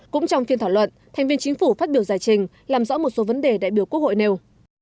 cũng trong phiên thảo luận thành viên chính phủ phát biểu giải trình làm rõ một số vấn đề đại biểu quốc hội nêu